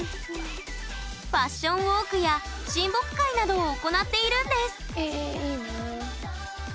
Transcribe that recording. ファッションウォークや親睦会などを行っているんですえいいなあ。